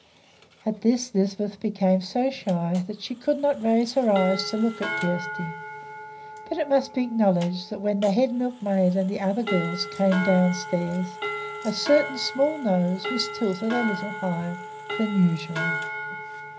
At this Lisbeth became so shy that she could not raise her eyes to look at Kjersti; but it must be acknowledged that when the head milkmaid and the other girls came downstairs a certain small nose was tilted a little higher than usual.